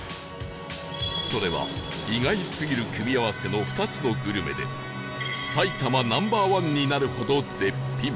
それは意外すぎる組み合わせの２つのグルメで埼玉 Ｎｏ．１ になるほど絶品